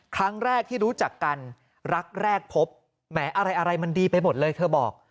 ครั้งแรกที่รู้จักกันรักแรกพบแหมอะไรอะไรมันดีไปหมดเลยเธอบอก